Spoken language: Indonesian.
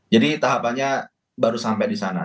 jadi tahapannya baru sampai di sana